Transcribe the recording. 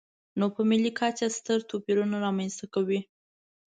نو په ملي کچه ستر توپیر رامنځته کوي.